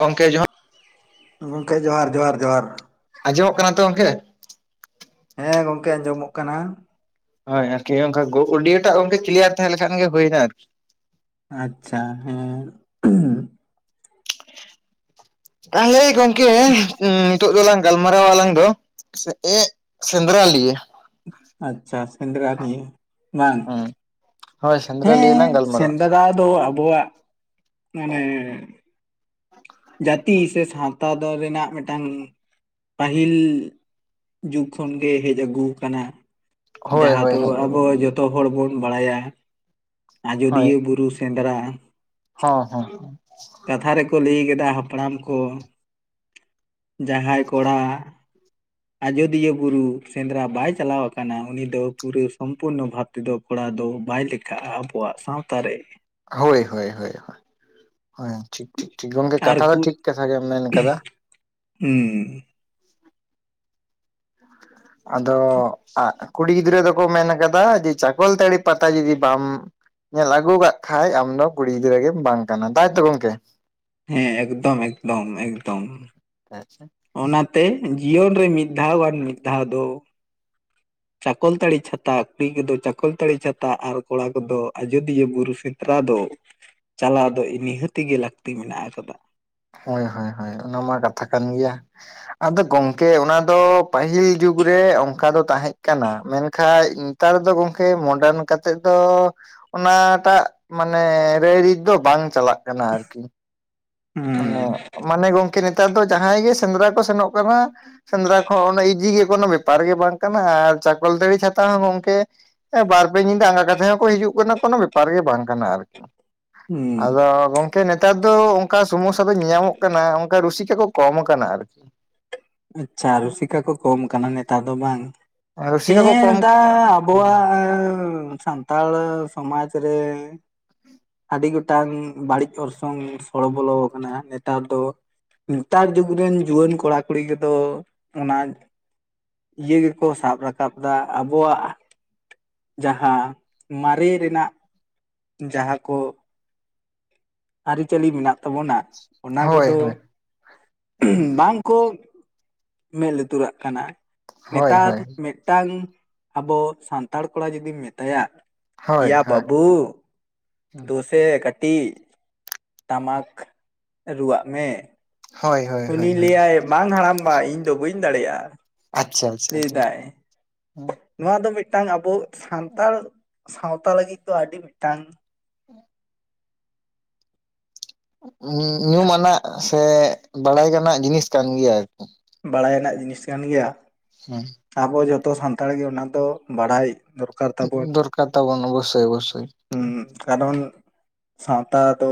ᱜᱚᱢᱠᱮ ᱤᱭᱟᱹ ᱦᱚ ᱜᱚᱢᱠᱮ ᱡᱚᱸᱦᱟᱨ ᱡᱚᱸᱦᱟᱨ ᱡᱚᱸᱦᱟᱨ ᱟᱸᱡᱚᱢᱚᱜ ᱠᱟᱱᱟ ᱛᱚ ᱜᱚᱢᱠᱮ? ᱦᱮᱸ ᱜᱚᱝᱠᱮ ᱟᱸᱡᱚᱢᱚᱜ ᱠᱟᱱᱟ ᱾ ᱦᱳᱭ ᱟᱨᱠᱤ ᱚᱱᱠᱟ ᱚᱰᱤᱭᱳ ᱴᱟᱜ ᱜᱚᱝᱠᱮ ᱠᱞᱤᱭᱟᱨ ᱛᱟᱦᱮᱸ ᱞᱮᱱᱠᱷᱟᱱ ᱜᱮ ᱦᱩᱭᱮᱱᱟ ᱟᱨᱠᱤ ᱾ ᱟᱪᱪᱷᱟ ᱦᱮᱸ [inaudible] ᱛᱟᱦᱚᱞᱮ ᱜᱚᱝᱠᱮ ᱩᱸ ᱱᱤᱛᱚᱜ ᱫᱚᱞᱟᱝ ᱜᱟᱞᱢᱟᱨᱟᱣᱟ ᱟᱞᱟᱝ ᱫᱚ ᱮᱸ ᱥᱮᱸᱫᱽᱨᱟ ᱞᱤᱭᱮ᱾ ᱟᱪᱪᱷᱟ ᱥᱮᱸᱫᱽᱨᱟ ᱱᱤᱭᱮ ᱵᱟᱝ᱾ ᱦᱮᱸ ᱦᱳᱭ ᱥᱮᱸᱫᱽᱨᱟ ᱞᱤᱭᱮ ᱦᱮᱸ ᱞᱟᱝ ᱜᱟᱞᱢᱟᱨᱟᱜ ᱥᱮᱸᱫᱽᱨᱟ ᱫᱚ ᱟᱵᱚᱣᱟᱜ ᱢᱟᱱᱮ ᱡᱟᱹᱛᱤ ᱥᱮ ᱥᱟᱶᱛᱟ ᱫᱚᱞ ᱨᱮᱱᱟᱜ ᱢᱮᱴᱟᱝ ᱯᱟᱹᱦᱤᱞ ᱡᱩᱜᱽ ᱠᱷᱚᱱ ᱜᱮ ᱦᱮᱡ ᱟᱹᱜᱩ ᱠᱟᱱᱟ ᱾ ᱦᱳᱭ ᱡᱟᱦᱟᱸ ᱦᱳᱭ ᱫᱚ ᱦᱮᱡ ᱟᱹᱜᱩ ᱟᱵᱚ ᱠᱟᱱᱟ ᱡᱚᱛᱚ ᱦᱚᱲ ᱵᱚᱱ ᱵᱟᱲᱟᱭᱟ ᱦᱳᱭ ᱟᱡᱚᱫᱤᱭᱟᱹ ᱵᱩᱨᱩ ᱥᱮᱸᱫᱽᱨᱟ ᱾ ᱦᱚᱸ ᱦᱚᱸ ᱾ ᱠᱟᱛᱷᱟ ᱨᱮᱠᱚ ᱞᱟᱹᱭ ᱟᱠᱟᱫᱟ ᱦᱟᱯᱲᱟᱢ ᱠᱚ ᱡᱟᱦᱟᱸᱭ ᱠᱚᱲᱟ ᱟᱡᱚᱫᱤᱭᱟᱹ ᱵᱩᱨᱩ ᱥᱮᱸᱫᱽᱨᱟ ᱵᱟᱭ ᱪᱟᱞᱟᱣ ᱟᱠᱟᱱᱟ ᱩᱱᱤ ᱫᱚ ᱯᱩᱨᱟᱹ ᱥᱚᱢᱯᱩᱨᱱᱚ ᱵᱷᱟᱵ ᱛᱮᱫᱚ ᱠᱚᱲᱟ ᱫᱚ ᱵᱟᱭ ᱞᱮᱠᱷᱟᱜᱼᱟ ᱟᱵᱚᱣᱟᱜ ᱥᱟᱶᱛᱟ ᱨᱮ ᱾ ᱦᱳᱭ ᱦᱳᱭ ᱦᱳᱭ ᱦᱳᱭ ᱴᱷᱤᱠ ᱴᱷᱤᱠ ᱴᱷᱤᱠ ᱜᱚᱢᱠᱮ ᱟᱨ ᱠᱟᱛᱷᱟ ᱫᱚ ᱠᱩᱲ ᱴᱷᱤᱠ ᱠᱟᱛᱷᱟ ᱜᱮᱢ ᱢᱮᱱ ᱠᱟᱫᱟ᱾ ᱦᱩᱸ ᱾ ᱟᱫᱚ ᱟᱸ ᱠᱩᱲᱤ ᱜᱤᱫᱽᱨᱟᱹ ᱫᱚᱠᱚ ᱢᱮᱱ ᱠᱟᱫᱟ ᱡᱮ ᱪᱟᱠᱚᱞᱛᱟᱹᱲᱤ ᱯᱟᱛᱟ ᱡᱩᱫᱤ ᱵᱟᱢ ᱧᱮᱞ ᱟᱹᱜᱩ ᱟᱠᱟᱫ ᱠᱷᱟᱡ ᱟᱢᱫᱚ ᱠᱩᱲᱤ ᱜᱤᱫᱽᱨᱟᱹ ᱜᱮᱢ ᱵᱟᱝ ᱠᱟᱱᱟ, ᱛᱟᱭᱛᱚ ᱜᱚᱝᱠᱮ? ᱦᱮᱸ ᱮᱠᱫᱚᱢ ᱮᱠᱫᱚᱢ ᱮᱠᱫᱚᱢ ᱾ ᱟᱪᱪᱷᱟ ᱾ ᱚᱱᱟᱛᱮ ᱡᱤᱭᱚᱱ ᱨᱮ ᱢᱤᱫ ᱫᱷᱟᱣ ᱵᱟᱝ ᱢᱤᱫ ᱫᱷᱟᱣ ᱫᱚ [unintelligible] ᱪᱟᱠᱚᱞᱛᱟᱹᱲᱤ ᱪᱷᱟᱛᱟ ᱠᱩᱲᱤ ᱠᱚᱫᱚ ᱪᱟᱠᱚᱞᱛᱟᱹᱲᱤ ᱪᱷᱟᱛᱟ ᱟᱨ ᱠᱚᱲᱟ ᱠᱚᱫᱚ ᱟᱡᱳᱫᱤᱭᱟᱹ ᱵᱩᱨᱩ ᱥᱮᱸᱫᱽᱨᱟ ᱫᱚ ᱪᱟᱞᱟᱣ ᱫᱚ ᱱᱤᱦᱟᱹᱛᱤ ᱜᱮ ᱞᱟᱹᱠᱛᱤ ᱢᱮᱱᱟᱜ ᱟᱠᱟᱫᱟ ᱾ ᱦᱳᱭ ᱦᱳᱭ ᱦᱳᱭ ᱚᱱᱟᱢᱟ ᱠᱟᱛᱷᱟ ᱠᱟᱱ ᱜᱮᱭᱟ ᱾ ᱟᱫᱚ ᱜᱚᱝᱠᱮ ᱚᱱᱟ ᱫᱚ ᱯᱟᱹᱦᱤᱞ ᱡᱩᱜᱽ ᱨᱮ ᱚᱱᱠᱟ ᱫᱚ ᱛᱟᱦᱮᱸ ᱠᱟᱱᱟ, ᱢᱮᱱᱠᱷᱟᱡ ᱱᱮᱛᱟᱨ ᱫᱚ ᱜᱚᱢᱠᱮ ᱢᱚᱰᱟᱨᱱ ᱠᱟᱛᱮᱫ ᱫᱚ ᱚᱱᱟᱴᱟᱜ ᱢᱟᱱᱮ ᱨᱟᱹᱭᱨᱤᱛ ᱫᱚ ᱵᱟᱝ ᱪᱟᱞᱟᱜ ᱠᱟᱱᱟ ᱟᱨᱠᱤ ᱾ ᱦᱩᱸ ᱢᱟᱱᱮ ᱜᱚᱢᱠᱮ ᱱᱮᱛᱟᱨ ᱫᱚ ᱡᱟᱦᱟᱸᱭ ᱜᱮ ᱥᱮᱸᱫᱽᱨᱟ ᱠᱚ ᱥᱮᱱᱚᱜ ᱠᱟᱱᱟ ᱥᱮᱸᱫᱽᱨᱟ ᱠᱚᱦᱚᱸ ᱚᱱᱟ ᱤᱡᱤ ᱜᱮ ᱠᱳᱱᱳ ᱵᱮᱯᱟᱨ ᱜᱮ ᱵᱟᱝ ᱠᱟᱱᱟ ᱟᱨ ᱪᱟᱠᱚᱞᱛᱟᱹᱲᱤ ᱪᱷᱟᱛᱟ ᱦᱚᱸ ᱜᱚᱢᱠᱮ ᱵᱟᱨ ᱯᱮ ᱧᱤᱫᱟᱹ ᱟᱸᱜᱟ ᱠᱟᱛᱮ ᱦᱚᱸᱠᱚ ᱦᱤᱡᱩᱜ ᱠᱟᱱᱟ ᱠᱳᱱᱳ ᱵᱮᱯᱟᱨ ᱜᱮ ᱵᱟᱝ ᱠᱟᱱᱟ ᱟᱨᱠᱤ ᱾ ᱦᱩᱸ ᱟᱫᱚ ᱜᱚᱝᱠᱮ ᱱᱮᱛᱟᱨ ᱫᱚ ᱚᱱᱠᱟ ᱥᱚᱢᱚᱥᱥᱟ ᱫᱚ ᱧᱮᱧᱟᱢᱚᱜ ᱠᱟᱱᱟ ᱚᱱᱠᱟ ᱨᱩᱥᱤᱠᱟ ᱠᱚ ᱠᱚᱢ ᱟᱠᱟᱱᱟ ᱟᱨᱠᱤ ᱾ ᱟᱪᱪᱷᱟ ᱨᱩᱥᱤᱠᱟ ᱠᱚ ᱠᱚᱢ ᱠᱟᱱᱟ ᱱᱮᱛᱟᱨ ᱫᱚ ᱵᱟᱝ? ᱨᱩᱥᱤᱠᱟ ᱠᱚ ᱦᱮᱸ ᱠᱚᱢ [unintelligible] ᱟᱵᱚᱣᱟᱜ ᱥᱟᱱ ᱥᱟᱱᱛᱟᱲ ᱥᱚᱢᱟᱡᱽ ᱨᱮ ᱟᱹᱰᱤ ᱜᱚᱴᱟᱝ ᱵᱟᱹᱲᱤᱡ ᱚᱨᱥᱚᱝ ᱥᱚᱲᱚ ᱵᱚᱞᱚ ᱟᱠᱟᱱᱟ ᱱᱮᱛᱟᱨ ᱫᱚ ᱾ ᱱᱮᱛᱟᱨ ᱡᱩᱜᱽ ᱨᱮᱱ ᱡᱩᱣᱟᱹᱱ ᱠᱚᱲᱟ ᱠᱩᱲᱤ ᱠᱚᱫᱚ ᱚᱱᱟ ᱤᱭᱟᱹ ᱜᱮᱠᱚ ᱥᱟᱵ ᱨᱟᱠᱟᱵ ᱮᱫᱟ ᱟᱵᱚᱣᱟᱜ ᱡᱟᱦᱟᱸ ᱢᱟᱨᱮ ᱨᱮᱱᱟᱜ ᱡᱟᱦᱟᱸ ᱠᱚ ᱟᱹᱨᱤᱪᱟᱹᱞᱤ ᱢᱮᱱᱟᱜ ᱛᱟᱵᱚᱱᱟ ᱚᱱᱟ ᱦᱳᱭ ᱠᱚᱫᱚ ᱦᱳᱭ ᱵᱟᱝ ᱠᱚ ᱢᱮᱫ ᱞᱩᱛᱩᱨᱟᱜ ᱠᱟᱱᱟ ᱦᱳᱭ ᱱᱮᱛᱟᱨ ᱦᱳᱭ ᱢᱮᱫ ᱢᱤᱫᱴᱟᱝ ᱟᱵᱚ ᱥᱟᱱᱛᱟᱲ ᱠᱚᱲᱟ ᱡᱩᱫᱤᱢ ᱢᱮᱛᱟᱭᱟ ᱦᱳᱭ ᱮᱭᱟ ᱦᱳᱭ ᱵᱟᱹᱵᱩ ᱫᱩᱥᱮ ᱠᱟᱹᱴᱤᱡ ᱴᱟᱢᱟᱠ ᱨᱩᱣᱟᱜ ᱢᱮ ᱦᱳᱭ ᱦᱳᱭ ᱦᱳᱭ ᱩᱱᱤ ᱦᱳᱭ ᱞᱟᱹᱭᱟᱭ ᱵᱟᱝ ᱦᱟᱲᱟᱢᱵᱟ ᱤᱧ ᱫᱚ ᱵᱟᱹᱧ ᱫᱟᱲᱮᱭᱟᱜᱼᱟ ᱾ ᱟᱪᱪᱷᱟ [inaudible] ᱞᱟᱹᱭ ᱫᱟᱭ, ᱱᱚᱣᱟ ᱫᱚ ᱢᱤᱫᱴᱟᱝ ᱟᱵᱚ ᱥᱟᱱᱛᱟᱲ ᱥᱟᱶᱛᱟ ᱞᱟᱹᱜᱤᱫ ᱫᱚ ᱟᱹᱰᱤ ᱢᱤᱫᱴᱟᱝ ᱩᱸ ᱧᱩᱢᱟᱱᱟᱜ ᱥᱮ ᱵᱟᱲᱟᱭ ᱜᱟᱱᱟᱜ ᱡᱤᱱᱤᱥ ᱠᱟᱱ ᱜᱮᱭᱟ ᱟᱨᱠᱤ᱾ ᱵᱟᱲᱟᱭ ᱟᱱᱟᱜ ᱡᱤᱱᱤᱥ ᱠᱟᱱ ᱜᱮᱭᱟ᱾ ᱦᱩᱸ᱾ ᱟᱵᱚ ᱡᱷᱚᱛᱚ ᱥᱟᱱᱛᱟᱲ ᱜᱮ ᱚᱱᱟ ᱫᱚ ᱵᱟᱲᱟᱭ ᱫᱚᱨᱠᱟᱨ ᱛᱟᱵᱚᱱ ᱫᱚᱨᱠᱟᱨ ᱛᱟᱵᱚᱱ ᱚᱵᱚᱥᱥᱳᱭ ᱚᱵᱚᱥᱥᱳᱭ᱾ ᱦᱩᱸ ᱦᱩᱸ ᱠᱟᱨᱚᱱ ᱥᱟᱶᱛᱟ ᱫᱚ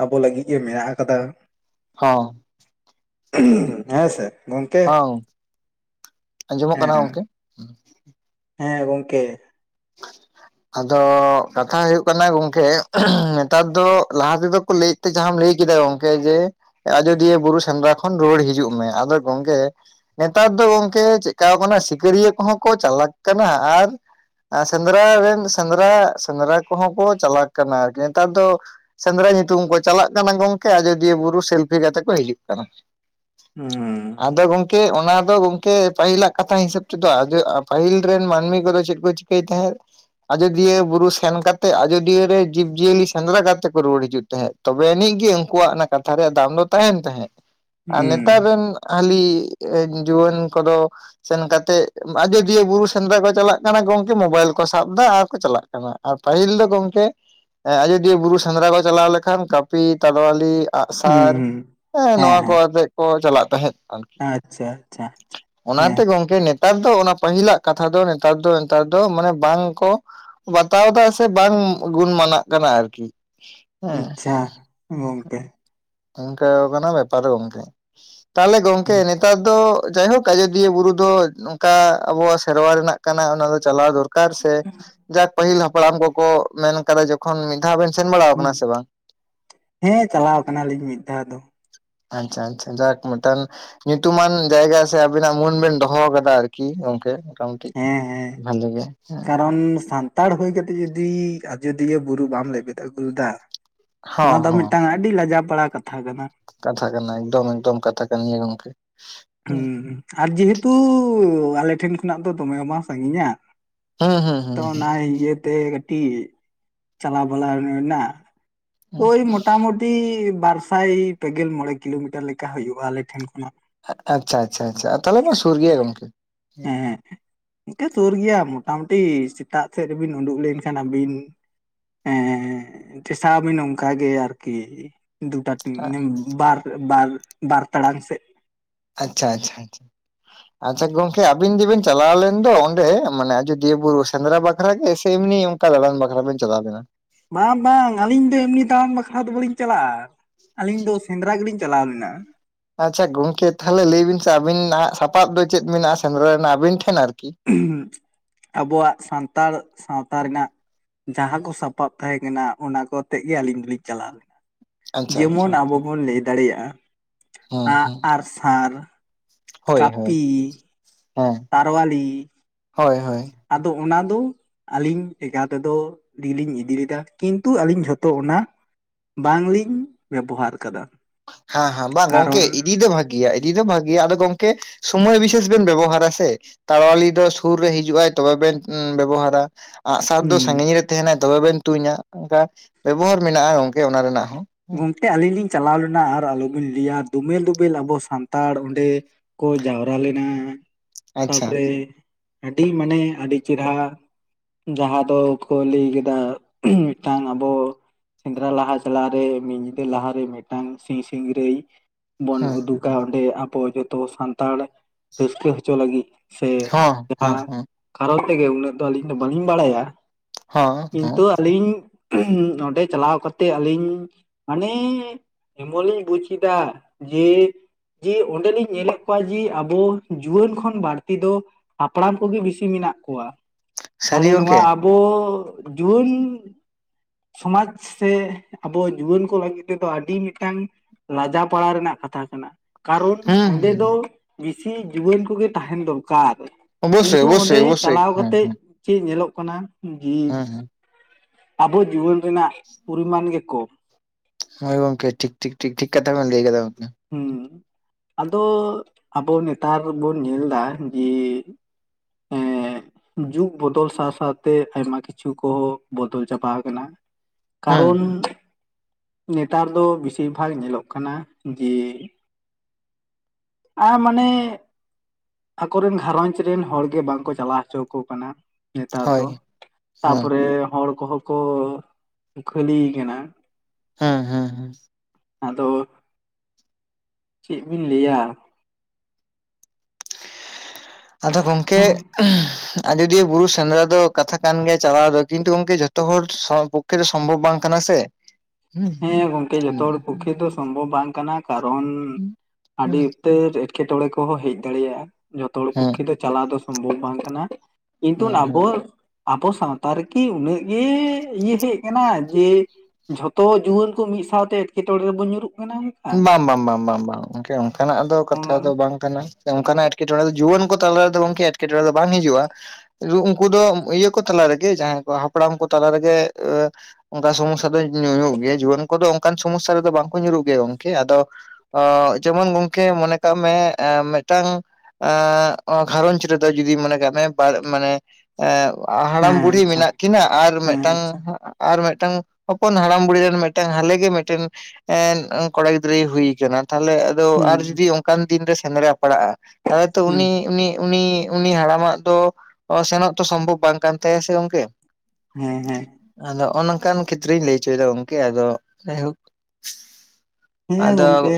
ᱟᱵᱚ ᱞᱟᱹᱜᱤᱫ ᱜᱮ ᱢᱮᱱᱟᱜ ᱟᱠᱟᱫᱟ᱾ ᱦᱚ᱾ ᱦᱮᱸ ᱥᱮ ᱜᱚᱝᱠᱮ? ᱦᱚᱸ ᱟᱸᱡᱚᱢᱚᱜ ᱠᱟᱱᱟ ᱦᱮᱸ ᱜᱚᱝᱠᱮ? ᱦᱮᱸ ᱜᱚᱝᱠᱮ᱾ [inaudible] ᱟᱫᱚ ᱠᱟᱛᱷᱟ ᱦᱩᱭᱩᱜ ᱠᱟᱱᱟ ᱜᱚᱝᱠᱮ ᱱᱮᱛᱟᱨ ᱫᱚ ᱞᱟᱦᱟ ᱛᱮᱫᱚ ᱠᱚ ᱞᱟᱹᱭᱮᱫ ᱛᱮ ᱡᱟᱦᱟᱸᱢ ᱞᱟᱹᱭ ᱠᱮᱫᱟ ᱜᱚᱝᱠᱮ ᱡᱮ ᱟᱡᱚᱫᱤᱭᱟᱹ ᱵᱩᱨᱩ ᱥᱮᱸᱫᱽᱨᱟ ᱠᱷᱚᱱ ᱨᱩᱣᱟᱹᱲ ᱦᱤᱡᱩᱜ ᱢᱮ ᱟᱫᱚ ᱜᱚᱝᱠᱮ ᱱᱮᱛᱟᱨ ᱫᱚ ᱜᱚᱝᱠᱮ ᱪᱮᱫᱠᱟᱣ ᱠᱟᱱᱟ ᱥᱤᱠᱟᱹᱨᱤᱭᱟᱹ ᱠᱚᱦᱚᱸ ᱠᱚ ᱪᱟᱞᱟᱠ ᱠᱟᱱᱟ ᱟᱨ ᱟ ᱥᱮᱸᱫᱽᱨᱟ ᱨᱮᱱ ᱥᱮᱸᱫᱽᱨᱟ ᱥᱮᱸᱫᱽᱨᱟ ᱠᱚᱦᱚᱸ ᱠᱚ ᱪᱟᱞᱟᱠ ᱠᱟᱱᱟ ᱟᱨᱠᱤ ᱱᱮᱛᱟᱨ ᱫᱚ ᱥᱮᱸᱫᱽᱨᱟ ᱧᱩᱛᱩᱢ ᱠᱚ ᱪᱟᱞᱟᱜ ᱠᱟᱱᱟ ᱜᱚᱝᱠᱮ ᱟᱡᱚᱫᱤᱭᱟᱹ ᱵᱩᱨᱩ ᱥᱮᱞᱯᱷᱤ ᱠᱟᱛᱮ ᱠᱚ ᱦᱤᱡᱩᱜ ᱠᱟᱱᱟ᱾ ᱦᱩᱸ ᱟᱫᱚ ᱜᱚᱝᱠᱮ ᱚᱱᱟ ᱫᱚ ᱜᱚᱝ ᱠᱮ ᱯᱟᱹᱦᱤᱞᱟᱜ ᱠᱟᱛᱷᱟ ᱦᱤᱥᱟᱹᱵ ᱛᱮᱫᱚ ᱟᱡᱚ ᱯᱟᱹᱦᱤᱞ ᱨᱮᱱ ᱢᱟᱹᱱᱢᱤ ᱠᱚᱫᱚ ᱪᱮᱫ ᱠᱚ ᱪᱤᱠᱟᱹᱭ ᱛᱟᱦᱮᱸᱫ? ᱟᱡᱚᱫᱤᱭᱟᱹ ᱵᱩᱨᱩ ᱥᱮᱱ ᱠᱟᱛᱮᱫ ᱟᱡᱚᱫᱤᱭᱟᱹ ᱨᱮ ᱡᱤᱵᱽ ᱡᱤᱭᱟᱹᱞᱤ ᱥᱮᱸᱫᱽᱨᱟ ᱠᱟᱛᱮ ᱠᱚ ᱨᱩᱣᱟᱹᱲ ᱦᱤᱡᱩᱜ ᱛᱟᱦᱮᱸᱫ᱾ ᱛᱚᱵᱮ ᱟᱹᱱᱤᱡ ᱜᱮ ᱩᱱᱠᱩᱣᱟᱜ ᱚᱱᱟ ᱠᱟᱛᱷᱟ ᱨᱮᱭᱟᱜ ᱫᱟᱢ ᱫᱚ ᱛᱟᱦᱮᱸᱱ ᱛᱟᱦᱮᱸᱫ ᱦᱩᱸ ᱟᱨ ᱱᱮᱛᱟᱨ ᱨᱮᱱ ᱦᱟᱹᱞᱤ ᱮ ᱡᱩᱣᱟᱹᱱ ᱠᱚᱫᱚ ᱥᱮᱱ ᱠᱟᱛᱮᱜ ᱟᱡᱚᱫᱤᱭᱟᱹ ᱵᱩᱨᱩ ᱥᱮᱸᱫᱽᱨᱟ ᱠᱚ ᱪᱟᱞᱟᱜ ᱠᱟᱱᱟ ᱜᱚᱝ ᱠᱮ ᱢᱳᱵᱟᱭᱤᱞ ᱠᱚ ᱥᱟᱵᱫᱟ ᱟᱨ ᱠᱚ ᱪᱟᱞᱟᱜ ᱠᱟᱱᱟ ᱟᱨ ᱯᱟᱹᱦᱤᱞ ᱫᱚ ᱜᱚᱝᱠᱮ ᱮ ᱟᱡᱚᱫᱤᱭᱟᱹ ᱵᱩᱨᱩ ᱥᱮᱸᱫᱽᱨᱟ ᱠᱚ ᱪᱟᱞᱟᱣ ᱞᱮᱠᱷᱟᱱ ᱠᱟᱹᱯᱤ, ᱛᱟᱲᱣᱟᱞᱤ ᱟᱸᱜ ᱦᱩᱸ ᱥᱟᱨ ᱦᱩᱸ ᱦᱮᱸ ᱱᱚᱣᱟ ᱠᱚ ᱟᱛᱮᱫ ᱠᱚ ᱪᱟᱞᱟᱜ ᱛᱟᱦᱮᱸᱫ ᱠᱟᱱ᱾ ᱟᱪᱪᱷᱟ ᱟᱪᱪᱷᱟ ᱚᱱᱟᱛᱮ ᱦᱮᱸ ᱜᱚᱝᱠᱮ ᱱᱮᱛᱟᱨ ᱫᱚ ᱚᱱᱟ ᱯᱟᱹᱦᱤᱞᱟᱜ ᱠᱟᱛᱷᱟ ᱫᱚ ᱱᱮᱛᱟᱨ ᱫᱚ ᱱᱮᱛᱟᱨ ᱫᱚ ᱢᱟᱱᱮ ᱵᱟᱝ ᱠᱚ ᱵᱟᱛᱟᱣ ᱫᱟ ᱥᱮ ᱵᱟᱝ ᱜᱩᱱᱢᱟᱱᱟᱜ ᱠᱟᱱᱟ ᱟᱨᱠᱤ᱾ ᱦᱮᱸ᱾ ᱟᱪᱪᱷᱟ ᱜᱚᱝᱠᱮ ᱚᱱᱠᱟᱣ ᱠᱟᱱᱟ ᱵᱮᱯᱟᱨ ᱜᱚᱝᱠᱮ, ᱛᱟᱦᱚᱞᱮ ᱜᱚᱝᱠᱮ ᱦᱩᱸ ᱱᱮᱛᱟᱨ ᱫᱚ ᱡᱟᱭᱦᱳᱠ ᱟᱡᱚᱫᱤᱭᱟᱹ ᱵᱩᱨᱩ ᱫᱚ ᱱᱚᱝᱠᱟ ᱟᱵᱚᱣᱟᱜ ᱥᱮᱨᱣᱟ ᱨᱮᱱᱟᱜ ᱠᱟᱱᱟ ᱚᱱᱟ ᱫᱚ ᱪᱟᱞᱟᱣ ᱫᱚᱨ ᱠᱟᱨ ᱥᱮ ᱡᱟᱠ ᱯᱟᱹᱦᱤᱞ ᱦᱟᱯᱲᱟᱢ ᱠᱚᱠᱚ ᱢᱮᱱ ᱠᱟᱫᱟ ᱡᱚᱠᱷᱚᱱ ᱢᱤᱫ ᱫᱷᱟᱣ ᱵᱮᱱ ᱥᱮᱱ ᱵᱟᱲᱟ ᱦᱩᱸ, ᱦᱮᱸ ᱪᱟᱞᱟᱣ ᱠᱟᱱᱟ ᱞᱤᱧ ᱢᱤᱫ ᱫᱷᱟᱣ ᱫᱚ᱾ ᱟᱪᱪᱷᱟ ᱟᱪᱪᱷᱟ ᱡᱟᱭᱦᱳᱠ ᱢᱤᱴᱮᱱ ᱧᱩᱛᱩᱢᱟᱱ ᱡᱟᱭᱜᱟ ᱥᱮ ᱟᱵᱤᱱᱟᱜ ᱢᱟᱹᱱ ᱵᱮᱱ ᱫᱚᱦᱚᱣ ᱠᱟᱫᱟ ᱟᱨᱠᱤ ᱜᱚᱝᱠᱮ ᱢᱳᱴᱟᱢᱩᱴᱤ᱾ ᱦᱮᱸ᱾ ᱦᱮᱸ ᱵᱷᱟᱞᱮ ᱜᱮ᱾ ᱠᱟᱨᱚᱱ ᱥᱟᱱᱛᱟᱲ ᱦᱩᱭ ᱠᱟᱛᱮᱜ ᱡᱩᱫᱤ ᱟᱡᱚᱫᱤᱭᱟᱹ ᱵᱩᱨᱩ ᱵᱟᱢ ᱞᱮᱵᱮᱫ ᱟᱹᱜᱩ ᱞᱮᱫᱟ ᱱᱚᱣᱟ ᱦᱚᱸ ᱫᱚ ᱦᱚᱸ ᱢᱤᱫᱴᱟᱝ ᱟᱹᱰᱤ ᱞᱟᱡᱟ ᱯᱟᱲᱟ ᱠᱟᱛᱷᱟ ᱠᱟᱱᱟ᱾ ᱠᱟᱛᱷᱟ ᱠᱟᱱᱟ ᱮᱠᱫᱚᱢ ᱮᱠᱫᱚᱢ ᱠᱟᱛᱷᱟ ᱠᱟᱱ ᱜᱮᱭᱟ ᱜᱚᱝᱠᱮ᱾ ᱦᱩᱸ ᱦᱩᱸ ᱟᱨ ᱡᱮᱦᱮᱛᱩ ᱟᱞᱮ ᱴᱷᱮᱱ ᱠᱷᱚᱱᱟᱜ ᱫᱚ ᱫᱚᱢᱮ ᱦᱚᱸ ᱵᱟᱝ ᱥᱟᱺᱜᱤᱧᱟ ᱦᱩᱸ ᱦᱩᱸ ᱛᱚ ᱦᱩᱸ ᱚᱱᱟ ᱤᱭᱟᱹ ᱛᱮ ᱠᱟᱹᱴᱤᱡ ᱪᱟᱞᱟᱣ ᱵᱟᱞᱟ ᱨᱮᱱᱟᱜ ᱦᱩᱸ ᱳᱭ ᱢᱳᱴᱟ ᱢᱩᱴᱤ ᱵᱟᱨ ᱥᱟᱭ ᱯᱮᱜᱮᱞ ᱢᱚᱬᱮ ᱠᱤᱞᱳᱢᱤᱴᱟᱨ ᱞᱮᱠᱟ ᱦᱩᱭᱩᱜᱼᱟ ᱟᱞᱮ ᱴᱷᱮᱱ ᱠᱷᱚᱱᱟᱜ᱾ ᱟᱪᱪᱷᱟ ᱟᱪᱪᱷᱟ ᱟᱪᱪᱷᱟ ᱛᱟᱦᱚᱞᱮ ᱢᱟ ᱥᱩᱨ ᱜᱮᱭᱟ ᱜᱚᱝᱠᱮ ᱦᱮᱸ ᱤᱱᱠᱟ ᱥᱩᱨ ᱜᱮᱭᱟ ᱢᱚᱴᱟᱢᱩᱴᱤ ᱥᱮᱛᱟᱜ ᱥᱮᱫ ᱨᱮᱵᱤᱱ ᱩᱰᱩᱠ ᱞᱮᱱᱠᱷᱟᱱ ᱟᱹᱵᱤᱱ ᱦᱮᱸ ᱴᱷᱮᱥᱟᱣ ᱢᱮ ᱱᱚᱝᱠᱟ ᱟᱨᱠᱤ ᱵᱟᱨ ᱵᱟᱨ ᱵᱟᱨ ᱴᱟᱲᱟᱝ ᱥᱮᱫ ᱟᱪᱪᱷᱟ ᱟᱪᱪᱷᱟ ᱟᱪᱪᱷᱟ, ᱟᱪᱪᱷᱟ ᱜᱚᱝᱠᱮ ᱟᱵᱤᱱ ᱡᱮᱵᱮᱱ ᱪᱟᱞᱟᱣ ᱞᱮᱱ ᱫᱚ ᱚᱸᱰᱮ ᱢᱟᱱᱮ ᱟᱡᱚᱫᱤᱭᱟᱹ ᱵᱩᱨᱩ ᱥᱮᱸᱫᱽᱨᱟ ᱵᱟᱠᱷᱨᱟ ᱜᱮ ᱥᱮ ᱮᱢᱱᱤ ᱫᱟᱲᱟᱱ ᱵᱟᱠᱷᱨᱟ ᱵᱮᱱ ᱪᱟᱞᱟᱣ ᱞᱮᱱᱟ? ᱵᱟᱝ ᱵᱟᱝ ᱟᱹᱞᱤᱧ ᱫᱚ ᱮᱢᱱᱤ ᱫᱟᱲᱟᱱ ᱵᱟᱠᱷᱨᱟ ᱫᱚ ᱵᱟᱹᱞᱤᱧ ᱪᱟᱞᱟᱜᱼᱟ ᱟᱹᱞᱤᱧ ᱫᱚ ᱥᱮᱸᱫᱽᱨᱟ ᱜᱮᱞᱤᱧ ᱪᱟᱞᱟᱣ ᱞᱮᱱᱟ ᱾ ᱟᱪᱪᱷᱟ ᱜᱚᱝᱠᱮ ᱛᱟᱦᱚᱞᱮ ᱞᱟᱹᱭ ᱵᱤᱱ ᱥᱮ ᱟᱹᱵᱤᱱᱟᱜ ᱥᱟᱯᱟᱵ ᱫᱚ ᱪᱮᱫ ᱢᱮᱱᱟᱜᱼᱟ ᱥᱮᱸᱫᱽᱨᱟ ᱨᱮᱱᱟᱜ ᱟᱹᱵᱤᱱ ᱴᱷᱮᱱ ᱟᱨᱠᱤ ᱟᱵᱚᱣᱟᱜ ᱥᱟᱱᱛᱟᱲ ᱥᱟᱶᱛᱟ ᱨᱮᱱᱟᱜ ᱡᱟᱦᱟᱸ ᱠᱚ ᱥᱟᱯᱟᱵ ᱛᱟᱦᱮᱸ ᱠᱟᱱᱟ ᱚᱱᱟ ᱠᱚ ᱟᱛᱮᱫ ᱜᱮ ᱟᱹᱞᱤᱧ ᱫᱚᱞᱤᱧ ᱪᱟᱞᱟᱣ ᱞᱮᱱᱟ ᱟᱪᱪᱷᱟ ᱟᱪᱪᱷᱟ ᱡᱮᱢᱚᱱ ᱟᱵᱚ ᱟᱪᱪᱷᱟ ᱵᱚᱱ ᱞᱟᱹᱭ ᱫᱟᱲᱮᱭᱟᱜᱼᱟ ᱦᱮᱸ ᱟᱸᱜ ᱦᱮᱸ ᱟᱨ ᱥᱟᱨ ᱦᱳᱭ ᱦᱳᱭ ᱠᱟᱯᱤ, ᱦᱮᱸ ᱛᱟᱨᱣᱟᱞᱤ, ᱦᱳᱭ ᱦᱳᱭ ᱟᱫᱚ ᱚᱱᱟ ᱫᱚ ᱟᱞᱤᱧ ᱮᱠᱟᱞ ᱛᱮᱫᱚ ᱰᱤᱞᱤᱧ ᱤᱫᱤ ᱞᱮᱫᱟ ᱠᱤᱱᱛᱩ ᱟᱹᱞᱤᱧ ᱡᱷᱚᱛᱚ ᱚᱱᱟ ᱵᱟᱝ ᱞᱤᱧ ᱵᱮᱵᱚᱦᱟᱨ ᱟᱠᱟᱫᱟ ᱦᱟᱸ ᱦᱟᱸ ᱵᱟᱝ ᱜᱚᱢᱠᱮ ᱤᱫᱤ ᱫᱚ ᱵᱷᱟ ᱜᱤᱭᱟ ᱤᱫᱤ ᱫᱚ ᱵᱷᱟᱜᱤᱭᱟ ᱟᱫᱚ ᱜᱚᱢᱠᱮ ᱥᱚᱢᱚᱭ ᱵᱤᱥᱮᱥ ᱵᱮᱱ ᱵᱮᱵᱚᱦᱟᱨ ᱟ ᱥᱮ ᱛᱟᱲᱣᱟᱲᱤ ᱫᱚ ᱥᱩᱨ ᱨᱮ ᱦᱤᱡᱩᱜ ᱟᱭ ᱛᱚᱵᱮ ᱵᱮᱱ ᱵᱮᱵᱚᱦᱟᱨᱟ ᱟᱸᱜ ᱥᱟᱨ ᱫᱚ ᱦᱩᱸ ᱥᱟᱺᱜᱤᱧ ᱨᱮ ᱛᱟᱦᱮᱱᱟᱭ ᱛᱚᱵᱮ ᱵᱮᱱ ᱛᱩᱧᱟ ᱚᱱᱠᱟ ᱵᱮᱵᱚᱦᱟᱨ ᱢᱮᱱᱟᱜᱼᱟ ᱜᱚᱝᱠᱮ ᱚᱱᱟ ᱨᱮᱱᱟᱜ ᱦᱚᱸ ᱜᱚᱢᱠᱮ ᱟᱞᱤᱧ ᱪᱟᱞᱟᱣ ᱞᱮᱱᱟ ᱟᱨ ᱟᱞᱚᱵᱤᱱ ᱞᱟᱹᱭᱟ ᱫᱩᱢᱮᱞ ᱫᱩᱢᱮᱞ ᱟᱵᱚ ᱥᱟᱱᱛᱟᱲ ᱚᱸᱰᱮ ᱠᱚ ᱡᱟᱣᱨᱟ ᱞᱮᱱᱟ, ᱟᱪᱪᱷᱟ ᱛᱟᱯᱚᱨᱮ ᱟᱹᱰᱤ ᱢᱟᱱᱮ ᱟᱹᱰᱤ ᱪᱮᱨᱦᱟ ᱡᱟᱦᱟᱸ ᱫᱚ ᱠᱚ ᱞᱟᱹᱭ ᱠᱮᱫᱟ ᱢᱤᱫᱴᱟᱝ ᱟᱵᱚ ᱥᱮᱸᱫᱽᱨᱟ ᱞᱟᱦᱟ ᱪᱟᱞᱟᱨᱮ ᱢᱤᱫ ᱧᱤᱫᱟᱹ ᱞᱟᱦᱟᱨᱮ ᱢᱤᱫᱴᱟᱝ ᱥᱤᱝ ᱥᱤᱝᱨᱟᱹᱭ ᱵᱚᱱ ᱦᱮᱸ ᱩᱫᱩᱜ ᱠᱟ ᱚᱸᱰᱮ ᱟᱵᱚ ᱡᱚᱛᱚ ᱥᱟᱱᱛᱟᱲ ᱨᱟᱹᱥᱠᱟᱹ ᱦᱚᱪᱚ ᱞᱟᱹᱜᱤᱫ ᱥᱮ ᱦᱚᱸ ᱦᱚᱸ ᱡᱟᱦᱟᱸ ᱦᱚᱸ ᱠᱟᱨᱚᱱ ᱛᱮᱜᱮ ᱩᱱᱟᱹᱜ ᱫᱚ ᱟᱹᱞᱤᱧ ᱫᱚ ᱵᱟᱹᱞᱤᱧ ᱵᱟᱲᱟᱭᱟ ᱦᱚᱸ ᱦᱚᱸ ᱠᱤᱱᱛᱩ ᱟᱹᱞᱤᱧ ᱚᱸᱰᱮ ᱪᱟᱞᱟᱣ ᱠᱟᱛᱮᱜ ᱟᱹᱞᱤᱧ ᱢᱟᱱᱮ ᱮᱢᱚᱱ ᱞᱤᱧ ᱵᱩᱡᱽ ᱮᱫᱟ ᱡᱮ ᱡᱮ ᱚᱸᱰᱮᱞᱤᱧ ᱧᱮᱞᱮᱫ ᱠᱚᱣᱟ ᱡᱮ ᱟᱵᱚ ᱡᱩᱣᱟᱹᱱ ᱠᱷᱚᱱ ᱵᱟᱲᱛᱤ ᱫᱚ ᱦᱟᱯᱲᱟᱢ ᱠᱚᱜᱮ ᱵᱮᱥᱤ ᱢᱮᱱᱟᱜ ᱠᱚᱣᱟ ᱥᱟᱹᱨᱤ ᱛᱟᱦᱚᱞᱮ ᱱᱚᱣᱟ ᱜᱚᱝᱠᱮ ᱟᱵᱚ ᱡᱩᱣᱟᱹᱱ ᱥᱚᱢᱟᱡᱽ ᱥᱮ ᱟᱵᱚ ᱡᱩᱣᱟᱹᱱ ᱠᱚ ᱞᱟᱹᱜᱤᱫ ᱛᱮᱫᱚ ᱟᱹᱰᱤ ᱢᱤᱫᱴᱟᱝ ᱞᱟᱡᱟᱯᱟᱲᱟ ᱨᱮᱱᱟᱜ ᱠᱟᱛᱷᱟ ᱠᱟᱱᱟ ᱠᱟᱨᱚᱱ ᱦᱩᱸ ᱚᱸᱰᱮ ᱫᱚ ᱦᱩᱸ ᱵᱤᱥᱤ ᱡᱩᱣᱟᱹᱱ ᱠᱚᱜᱮ ᱛᱟᱦᱮᱱ ᱫᱚᱨᱠᱟᱨ, ᱚᱵᱚᱥᱥᱳᱭ ᱠᱤᱱᱛᱩ ᱚᱵᱚᱥᱥᱳᱭ ᱚᱸᱰᱮ ᱚᱵᱚᱥᱥᱳᱭ ᱪᱟᱞᱟᱣ ᱦᱮᱸ ᱠᱟᱛᱮᱜ ᱦᱮᱸ ᱪᱮᱫ ᱧᱮᱞᱚᱜ ᱠᱟᱱᱟ ᱡᱮ ᱦᱮᱸ ᱦᱮᱸ ᱟᱵᱚ ᱡᱩᱣᱟᱹᱱ ᱨᱮᱱᱟᱜ ᱯᱚᱨᱤᱢᱟᱱ ᱜᱮ ᱠᱚᱢ ᱾ ᱦᱮᱸ ᱜᱚᱢᱠᱮ ᱴᱷᱤᱠ ᱴᱷᱤᱠ ᱴᱷᱤᱠ ᱴᱷᱤᱠ ᱠᱟᱛᱷᱟ ᱵᱮᱱ ᱞᱟᱹᱭ ᱟᱠᱟᱫᱟ ᱜᱚᱢᱠᱮ ᱦᱮᱸ ᱟᱫᱚ ᱟᱵᱚ ᱱᱮᱛᱟᱨ ᱵᱩᱱ ᱧᱮᱞ ᱮᱫᱟ ᱡᱮ ᱮᱸ [inaudible] ᱡᱩᱜᱽ ᱵᱚᱫᱚᱞ ᱥᱟᱶ ᱥᱟᱶᱛᱮ ᱟᱭᱢᱟ ᱠᱤᱪᱷᱩ ᱠᱚᱦᱚᱸ ᱵᱚᱫᱚᱞ ᱪᱟᱵᱟᱣ ᱠᱟᱱᱟ ᱾ ᱦᱮᱸ ᱠᱟᱨᱚᱱ ᱱᱮᱛᱟᱨ ᱫᱚ ᱵᱮᱥᱤᱨ ᱵᱷᱟᱜᱽ ᱧᱮᱞᱚᱜ ᱠᱟᱱᱟ ᱡᱮ ᱟᱨ ᱢᱟᱱᱮ ᱟᱠᱚᱨᱮᱱ ᱜᱷᱟᱨᱚᱸᱡᱽ ᱨᱮᱱ ᱦᱚᱲ ᱜᱮ ᱵᱟᱝ ᱠᱚ ᱪᱟᱞᱟᱣ ᱦᱚᱪᱚ ᱟᱠᱚ ᱠᱟᱱᱟ᱾ ᱱᱮᱛᱟᱨ ᱦᱳᱭ ᱫᱚ ᱦᱳᱭ ᱛᱟᱯᱚᱨᱮ ᱦᱚᱲ ᱠᱚᱦᱚᱸ ᱠᱚ ᱠᱷᱟᱹᱞᱤᱭ ᱠᱟᱱᱟ᱾ ᱦᱮᱸ᱾ ᱦᱮᱸ ᱦᱮᱸ ᱟᱫᱚ ᱪᱮᱫ ᱵᱤᱱ ᱞᱟᱹᱭᱟ? ᱟᱫᱚ ᱜᱚᱢᱠᱮ ᱟᱡᱚᱫᱤᱭᱟᱹ ᱵᱩᱨᱩ ᱥᱮᱸᱫᱽᱨᱟ ᱫᱚ ᱠᱟᱛᱷᱟ ᱠᱟᱱ ᱜᱮᱭᱟ ᱪᱟᱞᱟᱣ ᱫᱚ, ᱠᱤᱱᱛᱩ ᱜᱚᱢᱠᱮ ᱡᱷᱚᱛᱚ ᱦᱚᱲ ᱯᱚᱠᱠᱷᱮ ᱫᱚ ᱥᱚᱢᱵᱷᱚᱵ ᱵᱟᱝ ᱠᱟᱱᱟ ᱥᱮ᱾ [inaudible] ᱦᱮᱸ ᱜᱚᱢᱠᱮ ᱡᱷᱚᱛᱚ ᱦᱚᱲ ᱯᱩᱠᱠᱷᱮ ᱫᱚ ᱥᱚᱢᱵᱷᱚᱵ ᱵᱟᱝ ᱠᱟᱱᱟ, ᱠᱟᱨᱚᱱ ᱟᱹᱰᱤ ᱮᱸᱴᱠᱮᱴᱚᱬᱮ ᱠᱚᱦᱚᱸ ᱦᱮᱡ ᱫᱟᱲᱮᱭᱟᱜᱼᱟ, ᱡᱷᱚᱛᱚ ᱦᱚᱲ ᱦᱮᱸ ᱯᱚᱠᱠᱷᱮ ᱦᱮᱸ ᱫᱚ ᱪᱟᱞᱟᱣ ᱫᱚ ᱥᱚᱢᱵᱷᱚᱵ ᱵᱟᱝ ᱠᱟᱱᱟ᱾ ᱠᱤᱱᱛᱩ ᱦᱮᱸ ᱟᱵᱚ ᱟᱵᱚ ᱥᱟᱶᱛᱟ ᱨᱮᱠᱤ ᱩᱱᱟᱹᱜ ᱜᱮ ᱤᱭᱟᱹ ᱦᱮᱡ ᱠᱟᱱᱟ ᱡᱮ ᱡᱷᱚᱛᱚ ᱡᱩᱣᱟᱹᱱ ᱠᱚ ᱢᱤᱫ ᱥᱟᱶᱛᱮ ᱮᱸᱴᱠᱮᱴᱚᱬᱮ ᱨᱮᱵᱚᱱ ᱧᱩᱨᱩᱜ ᱠᱟᱱᱟ᱾ ᱵᱟᱝ ᱵᱟᱝ ᱵᱟᱝ ᱵᱟᱝ, ᱜᱚᱢᱠᱮ ᱚᱱᱠᱟᱱᱟᱜ ᱫᱚ ᱠᱟᱛᱷᱟ ᱫᱚ ᱵᱟᱝ, ᱠᱟᱱᱟᱜ ᱥᱮ ᱚᱱᱠᱟᱱᱟᱜ ᱮᱸᱴᱠᱮᱴᱚᱬᱮ ᱫᱚ ᱡᱩᱣᱟᱹᱱ ᱠᱚ ᱛᱟᱞᱟᱨᱮᱫᱚ ᱜᱚᱢᱠᱮ ᱮᱸᱴᱠᱮᱴᱚᱬᱮ ᱫᱚ ᱵᱟᱝ ᱦᱤᱡᱩᱜᱼᱟ᱾ ᱩᱱᱠᱩ ᱫᱚ ᱤᱭᱟᱹ ᱠᱚ ᱛᱟᱞᱟ ᱨᱮᱜᱮ ᱡᱟᱦᱟᱸᱭ ᱠᱚ ᱦᱟᱯᱲᱟᱢ ᱠᱚ ᱛᱟᱞᱟᱨᱮᱜᱮ ᱚᱱᱠᱟ ᱥᱚᱢᱚᱥᱥᱟ ᱫᱚ ᱧᱩᱨᱩᱜ ᱜᱮᱭᱟ, ᱡᱩᱣᱟᱹᱱ ᱠᱚᱫᱚ ᱚᱱᱠᱟᱱ ᱥᱚᱢᱚᱥᱥᱟ ᱨᱮᱫᱚ ᱵᱟᱝᱠᱚ ᱧᱩᱨᱩᱜ ᱜᱮᱭᱟ ᱜᱚᱢᱠᱮ ᱟᱫᱚ ᱟ ᱡᱮᱢᱚᱱ ᱜᱚᱢᱠᱮ ᱢᱚᱱᱮ ᱠᱟᱜ ᱢᱮ ᱮᱸ ᱢᱤᱫᱴᱟᱝ ᱮᱸᱻ ᱜᱷᱟᱨᱚᱸᱧᱡᱽ ᱨᱮᱫᱚ ᱡᱩᱫᱤ ᱢᱚᱱᱮ ᱠᱟᱜ ᱢᱮ ᱵᱟᱨ ᱢᱟᱱᱮ ᱮᱸᱻ ᱦᱟᱲᱟᱢ ᱦᱮᱸ ᱵᱩᱲᱦᱤ ᱟᱪᱪᱷᱟ ᱢᱮᱱᱟᱜ ᱠᱤᱱᱟᱹ ᱟᱨ ᱦᱮᱸ ᱢᱤᱫᱴᱟᱝ ᱟᱪᱪᱷᱟ ᱦᱟᱸᱜ ᱟᱨ ᱢᱤᱫᱴᱟᱝ ᱦᱚᱯᱚᱱ ᱦᱟᱲᱟᱢ ᱵᱩᱲᱦᱤ ᱨᱮᱱ ᱢᱤᱫᱴᱟᱝ ᱦᱟᱞᱮᱜᱮ ᱢᱤᱫᱴᱟᱝ ᱮᱸᱻ ᱠᱚᱲᱟ ᱜᱤᱫᱽᱨᱟᱹᱭ ᱦᱩᱭ ᱟᱠᱟᱱᱟ, ᱛᱟᱦᱚᱞᱮ ᱟᱫᱚ ᱟᱨ ᱦᱩᱸ ᱡᱩᱫᱤ ᱚᱱᱠᱟᱱ ᱫᱤᱱ ᱨᱮ ᱥᱮᱸᱫᱨᱟ ᱯᱟᱲᱟᱜᱼᱟ, ᱛᱟᱭᱟᱭ ᱛᱚ ᱦᱩᱸ ᱩᱱᱤ ᱩᱱᱤ ᱩᱱᱤ ᱩᱱᱤ ᱦᱟᱲᱟᱢᱟᱜ ᱫᱚ ᱥᱮᱱᱚᱜ ᱛᱚ ᱥᱚᱢᱵᱷᱚᱵ ᱵᱟᱝ ᱠᱟᱱ ᱛᱟᱭᱟ ᱥᱮ ᱜᱚᱢᱠᱮ, ᱦᱮᱸ ᱦᱮᱸ᱾ ᱟᱫᱚ ᱱᱚᱜᱼᱚ ᱱᱚᱝᱠᱟᱱ ᱠᱷᱮᱛᱨᱮᱧ ᱞᱟᱹᱭ ᱦᱚᱪᱚᱭᱮᱫᱟ ᱜᱚᱢᱠᱮ ᱟᱫᱚ ᱡᱟᱭᱦᱳᱠ ᱦᱮᱸ ᱟᱫᱚ ᱜᱚᱝᱠᱮ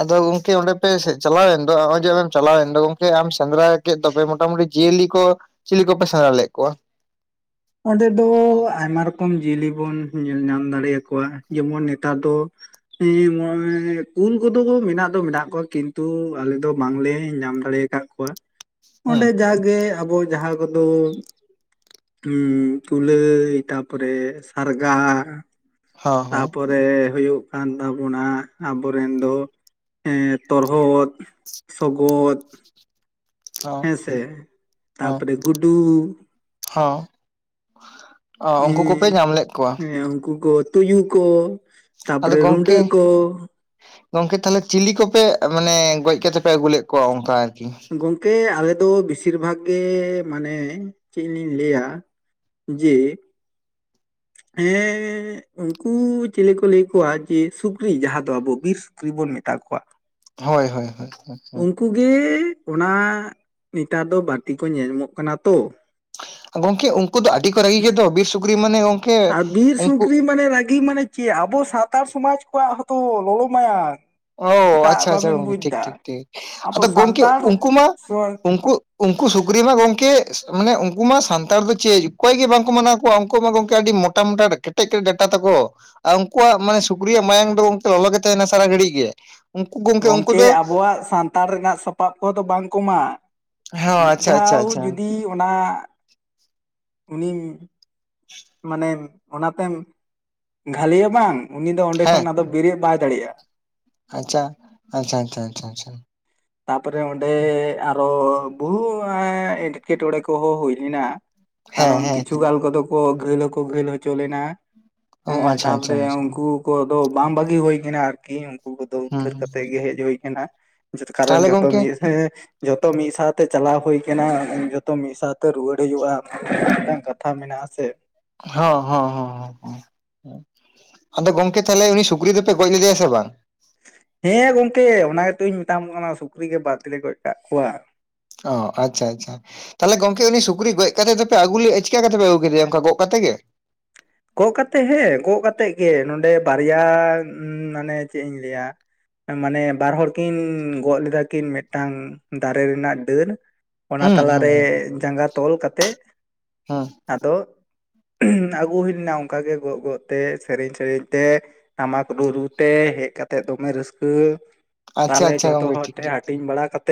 ᱟᱫᱚ ᱜᱚᱢᱠᱮ ᱚᱸᱰᱮ ᱯᱮ ᱪᱟᱞᱟᱣᱮᱱ ᱫᱚ ᱱᱚᱜᱼᱚᱭ ᱡᱮ ᱟᱢᱮᱢ ᱪᱟᱞᱟᱣᱮᱱ ᱫᱚ ᱜᱚᱢᱠᱮ ᱟᱢ ᱥᱮᱸᱫᱽᱨᱟ ᱠᱮᱫ ᱫᱚᱯᱮ ᱢᱚᱴᱟᱢᱩᱴᱤ ᱡᱤᱭᱟᱹᱞᱤ ᱠᱚ ᱪᱤᱞᱤ ᱠᱚᱯᱮ ᱥᱮᱸᱫᱽᱨᱟ ᱞᱮᱫ ᱠᱚᱣᱟ? ᱚᱸᱰᱮ ᱫᱚ ᱟᱭᱢᱟ ᱨᱚᱠᱚᱢ ᱡᱤᱭᱟᱹᱞᱤ ᱵᱚᱱ ᱧᱮᱞ ᱧᱟᱢ ᱫᱟᱲᱮ ᱟᱠᱚᱣᱟ, ᱡᱮᱢᱚᱱ ᱱᱮᱛᱟᱨ ᱫᱚ ᱦᱮᱸ ᱠᱩᱞ ᱠᱚᱫᱚ ᱠᱚ ᱢᱮᱱᱟᱜ ᱫᱚ ᱢᱮᱱᱟᱜ ᱠᱚᱣᱟ, ᱠᱤᱱᱛᱩ ᱟᱞᱮ ᱫᱚ ᱵᱟᱝᱞᱮ ᱧᱟᱢ ᱫᱟᱲᱮᱠᱟᱫ ᱠᱚᱣᱟ᱾ ᱦᱩᱸ ᱚᱸᱰᱮ ᱡᱟᱜᱮ ᱟᱵᱚ ᱡᱟᱦᱟᱸ ᱠᱚᱫᱚ ᱦᱩᱸ, ᱠᱩᱞᱟᱹᱭ ᱛᱟᱯᱚᱨᱮ ᱥᱟᱨᱜᱟ ᱦᱚᱸ ᱦᱚᱸ ᱛᱟᱯᱚᱨᱮ ᱨᱮ ᱦᱩᱭᱩᱜ ᱠᱟᱱ ᱛᱟᱵᱚᱱᱟ ᱟᱵᱚᱨᱮᱱ ᱫᱚ ᱛᱚᱨᱦᱚᱫ, ᱥᱚᱜᱚᱫ᱾ ᱦᱮᱸ ᱥᱮ, ᱦᱚᱸ ᱛᱟᱯᱚᱨᱮ ᱜᱩᱰᱩ᱾ ᱦᱚᱸ ᱚ, ᱩᱱᱠᱩ ᱠᱚᱯᱮ ᱮᱸ ᱧᱟᱢ ᱞᱮᱫ ᱠᱚᱣᱟ᱾ ᱦᱮᱸ ᱩᱱᱠᱩ ᱠᱚ ᱛᱩᱭᱩ ᱠᱚ, ᱟᱫᱚ ᱛᱟᱯᱚᱨᱮ ᱜᱚᱢᱠᱮ ᱨᱩᱰᱟᱹ ᱠᱚ ᱜᱚᱢᱠᱮ ᱛᱟᱦᱚᱞᱮ ᱪᱤᱞᱤ ᱠᱚᱯᱮ ᱢᱟᱱᱮ ᱜᱚᱡ ᱠᱟᱛᱮ ᱯᱮ ᱟᱹᱜᱩ ᱞᱮᱫ ᱠᱚᱣᱟ ᱚᱱᱠᱟ ᱟᱨᱠᱤ? ᱜᱚᱢᱠᱮ ᱟᱞᱮᱫᱚ ᱵᱮᱥᱤᱨ ᱵᱷᱟᱜᱽ ᱜᱮ ᱢᱟᱱᱮ ᱪᱮᱫ ᱞᱤᱧ ᱞᱟᱹᱭᱟ ᱡᱮ, ᱦᱮᱸ ᱩᱱᱠᱩ ᱪᱤᱞᱤ ᱠᱚ ᱞᱟᱹᱭ ᱠᱚᱣᱟ, ᱡᱮ ᱥᱩᱠᱨᱤ ᱡᱟᱦᱟᱸ ᱫᱚ ᱟᱵᱚ ᱵᱤᱨ ᱥᱩᱠᱨᱤ ᱵᱚᱱ ᱢᱮᱛᱟ ᱠᱚᱣᱟ, ᱦᱳᱭ ᱦᱳᱭ ᱦᱳᱭ᱾ ᱦᱳᱭ ᱩᱱᱠᱩ ᱜᱮ ᱚᱱᱟ ᱱᱮᱛᱟᱨ ᱫᱚ ᱵᱟᱹᱲᱛᱤ ᱠᱚ ᱧᱮᱞ ᱧᱟᱢᱚᱜ ᱠᱟᱱᱟ ᱛᱚ᱾ ᱜᱚᱝᱠᱮ ᱩᱝᱠᱩ ᱫᱚ ᱟᱹᱰᱤ ᱠᱚ ᱨᱟᱹᱜᱤ ᱜᱮᱫᱚ ᱵᱤᱨ ᱥᱩᱠᱨᱤ ᱢᱟᱱᱮ ᱟᱨ ᱵᱤᱨ ᱩᱱᱠᱩ ᱥᱩᱠᱨᱤ ᱢᱟᱱᱮ ᱨᱟᱹᱜᱤ ᱢᱟᱱᱮ ᱪᱮ ᱟᱵᱚ ᱥᱟᱣᱛᱟᱲ ᱥᱚᱢᱟᱡᱽ ᱠᱚᱣᱟᱜ ᱦᱚᱸᱛᱚ ᱞᱚᱞᱚ ᱢᱟᱭᱟᱝ ᱚ ᱪᱮᱫᱟᱜ ᱟᱪᱪᱷᱟ ᱟᱪᱪᱷᱟ ᱵᱟᱵᱮᱱ ᱜᱚᱝᱠᱮ ᱵᱩᱡᱽ ᱴᱷᱤᱠ ᱮᱫᱟ ᱴᱷᱤᱠ ᱴᱷᱤᱠ ᱟᱵᱚ ᱟᱫᱚ ᱜᱚᱝᱠᱮ ᱥᱟᱱᱛᱟᱲ ᱩᱝᱠᱩ ᱢᱟ ᱩᱝᱠᱩ ᱩᱝᱠᱩ ᱥᱩᱠᱨᱤ ᱢᱟ ᱜᱚᱢᱠᱮ ᱢᱟᱱᱮ ᱩᱝᱠᱩ ᱢᱟ ᱩᱝᱠᱩ ᱥᱩᱠᱨᱤ ᱢᱟ ᱜᱚᱢᱠᱮ ᱢᱟᱱᱮ ᱩᱜᱠᱩ ᱢᱟ ᱥᱟᱱᱛᱟᱲ ᱫᱚ ᱪᱮᱫ ᱚᱠᱚᱭ ᱜᱮ ᱵᱟᱝᱠᱚ ᱢᱟᱱᱟᱣ ᱠᱚᱣᱟ ᱩᱝᱠᱩ ᱢᱟ ᱜᱚᱢᱠᱮ ᱟᱹᱰᱤ ᱢᱚᱴᱟ ᱢᱳᱴᱟ ᱢᱳᱴᱟ ᱠᱮᱴᱮᱡ ᱠᱮᱴᱮᱡ ᱰᱟᱴᱟ ᱛᱟᱠᱚ ᱟᱨ ᱩᱱᱠᱩᱣᱟᱜ ᱢᱟᱱᱮ ᱥᱩᱠᱨᱟᱜ ᱢᱟᱭᱟᱢ ᱫᱚ ᱜᱚᱝᱠᱮ ᱞᱚᱞᱚ ᱜᱮ ᱛᱟᱦᱮᱸᱱᱟ ᱥᱟᱨᱟ ᱜᱷᱟᱹᱲᱤᱡ᱾ [unintelligible] ᱩᱱᱠᱩ ᱜᱚᱝᱠᱮ ᱫᱚ ᱟᱵᱚᱣᱟᱜ ᱥᱟᱱᱛᱟᱲ ᱨᱤᱱᱟᱜ ᱥᱟᱯᱟᱵ ᱠᱚᱫᱚ ᱵᱟᱝ ᱠᱩᱢᱟ᱾ ᱦᱮᱸ ᱢᱤᱫ ᱟᱪᱪᱷᱟ ᱟᱪᱪᱷᱟ ᱫᱷᱟᱣ ᱟᱪᱪᱷᱟ ᱡᱩᱫᱤ ᱚᱱᱟᱻ ᱩᱱᱤᱢ [inaudible] ᱢᱟᱱᱮᱢ ᱚᱱᱟᱛᱮᱢ ᱜᱷᱟᱹᱞᱮᱭᱟ ᱵᱟᱝ ᱩᱱᱤ ᱫᱚ ᱚᱸᱰᱮ ᱦᱮᱸ ᱠᱷᱚᱱ ᱟᱫᱚ ᱵᱮᱨᱮᱜ ᱵᱟᱭ ᱫᱟᱲᱮᱭᱟᱜᱼᱟ᱾ ᱟᱪᱪᱷᱟ, ᱟᱪᱪᱷᱟ, ᱟᱪᱪᱷᱟ, ᱟᱪᱪᱷᱟ, ᱟᱪᱪᱷᱟ ᱛᱟᱯᱚᱨᱮ ᱚᱸᱰᱮ ᱟᱨᱚ ᱵᱩᱦᱩ ᱮᱸᱴᱠᱮᱴᱚᱬᱮ ᱠᱚᱦᱚᱸ ᱦᱩᱭ [unintelligible] ᱦᱮᱸ ᱠᱟᱨᱚᱱ ᱦᱮᱸ ᱠᱤᱪᱷᱩ ᱜᱷᱟᱹᱞ ᱠᱚᱫᱚ ᱠᱚ ᱜᱷᱟᱹᱞ ᱦᱚᱠᱚ ᱜᱷᱟᱹᱞ ᱦᱚᱪᱚ ᱞᱮᱱᱟ᱾ ᱮᱸ ᱚ ᱟᱪᱪᱷᱟ ᱟᱪᱪᱷᱟ ᱛᱟᱯᱚᱨᱮ ᱟᱪᱪᱷᱟ ᱩᱝᱠᱩ ᱠᱩ ᱫᱚ ᱵᱟᱝ ᱵᱟᱹᱜᱤ ᱦᱩᱭ ᱠᱟᱱᱟ ᱟᱨᱠᱤ ᱩᱝᱠᱩ ᱠᱚᱫᱚ ᱦᱩᱸ ᱩᱫᱷᱟᱹᱨ ᱦᱩᱸ ᱠᱟᱛᱮᱫ ᱜᱮ ᱦᱮᱡ ᱦᱳᱭ ᱠᱟᱱᱟ᱾ ᱠᱟᱨᱚᱱ ᱛᱟᱦᱚᱞᱮ ᱡᱚᱛᱚ ᱜᱚᱝᱠᱮ [unintelligible] ᱡᱚᱛᱚ ᱢᱤᱫ ᱥᱟᱶᱛᱮ ᱪᱟᱞᱟᱣ ᱦᱳᱭ ᱠᱟᱱᱟ, ᱡᱚᱛᱚ ᱢᱤᱫ ᱥᱟᱶᱛᱮ ᱨᱩᱣᱟᱹᱲ ᱦᱩᱭᱳᱜ ᱼᱟ᱾ ᱱᱚ ᱢᱤᱫᱴᱟᱝ ᱠᱟᱛᱷᱟ ᱢᱮᱱᱟᱜᱼᱟ ᱥᱮ᱾ ᱦᱚᱸ ᱦᱚᱸ ᱦᱚᱸ ᱟᱫᱚ ᱜᱚᱝᱠᱮ ᱛᱟᱦᱚᱞᱮ ᱩᱱᱤ ᱥᱩᱠᱨᱤ ᱫᱚᱯᱮ ᱜᱚᱡ ᱞᱮᱫᱮᱭᱟ ᱥᱮ ᱵᱟᱝ? ᱦᱮᱸ ᱜᱚᱝᱠᱮ ᱚᱱᱟ ᱜᱮᱛᱩᱧ ᱢᱮᱛᱟᱢ ᱠᱟᱱᱟ ᱥᱩᱠᱨᱤ ᱜᱮ ᱵᱟᱫᱞᱮ ᱜᱚᱡ ᱠᱟᱜ ᱠᱚᱣᱟ᱾ ᱚ ᱟᱪᱪᱷᱟ ᱟᱪᱪᱷᱟ᱾ ᱛᱟᱦᱚᱞᱮ ᱜᱚᱝᱠᱮ ᱩᱱᱤ ᱥᱩᱠᱨᱤ ᱜᱚᱡ ᱠᱟᱫᱮ ᱫᱚᱯᱮ ᱟᱹᱜᱩ ᱞᱮᱫ ᱪᱤᱠᱟ ᱠᱟᱛᱮ ᱯᱮ ᱟᱹᱜᱩ ᱠᱮᱫᱮᱭᱟ ᱚᱱᱠᱟ ᱜᱚᱜ ᱠᱟᱛᱮ ᱜᱮ? ᱜᱚᱜ ᱠᱟᱛᱮᱫ ᱦᱮᱸ ᱜᱚᱜ ᱠᱟᱛᱮᱫ ᱜᱮ ᱱᱚᱰᱮ ᱵᱟᱨᱭᱟ ᱢᱟᱱᱮ ᱪᱮᱫ ᱤᱧ ᱞᱟᱹᱭᱟᱼᱼᱼᱼ ᱢᱟᱱᱮ ᱵᱟᱨ ᱦᱚᱲ ᱠᱤᱱ ᱜᱚᱜ ᱞᱮᱫᱟ ᱠᱤᱱ ᱢᱤᱜᱴᱟᱝ ᱫᱟᱨᱮ ᱨᱮᱱᱟᱜ ᱰᱟᱹᱨ᱾ ᱚᱱᱟ ᱦᱩᱸ ᱦᱩᱸ ᱛᱟᱞᱟᱨᱮ ᱦᱩᱸ ᱡᱟᱸᱜᱟ ᱛᱚᱞ ᱠᱟᱛᱮ ᱦᱩᱸ᱾ ᱟᱫᱚ ᱟᱹᱜᱩ ᱦᱩᱭ ᱞᱮᱱᱟ ᱚᱝᱠᱟ ᱜᱮ ᱜᱚᱜ ᱜᱚᱜ ᱛᱮ ᱥᱮᱨᱮᱧ ᱥᱮᱨᱮᱧ ᱛᱮ ᱴᱟᱢᱟᱠ ᱨᱩ ᱨᱩ ᱛᱮ ᱦᱮᱡ ᱠᱟᱛᱮᱫ ᱫᱚᱢᱮ ᱨᱟᱹᱥᱠᱟᱹ᱾ ᱟᱪᱪᱷᱟ ᱛᱟᱦᱚᱞᱮ ᱟᱪᱪᱷᱟ ᱡᱷᱚᱛᱚ ᱜᱚᱝᱠᱮ ᱦᱚᱲ ᱴᱷᱤᱠ ᱴᱷᱮᱱ ᱴᱷᱤᱠ ᱦᱟᱹᱴᱤᱧ ᱵᱟᱲᱟ ᱠᱟᱛᱮᱫᱼᱼᱼ